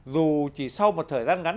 dù chỉ sau một thời gian ngắn